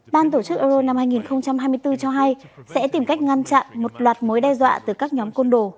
ban tổ chức euro năm hai nghìn hai mươi bốn cho hay sẽ tìm cách ngăn chặn một loạt mối đe dọa từ các nhóm côn đồ